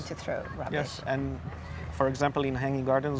ya dan misalnya di hanging gardens